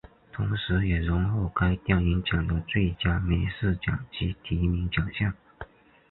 同时也荣获该电影奖的最佳美术奖及提名奖项。